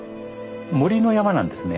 森の山なんですね。